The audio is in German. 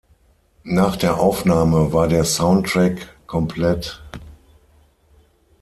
Nach der Aufnahme war der Soundtrack komplett.